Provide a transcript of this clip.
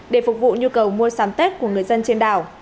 để phục vụ nhu cầu mua sắm tết của người dân trên đảo